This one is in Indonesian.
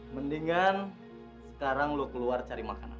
mendingan sekarang lo keluar cari makanan